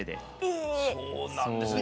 え⁉そうなんですよ。